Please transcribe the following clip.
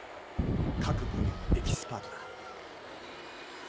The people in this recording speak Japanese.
各分野のエキスパートだ。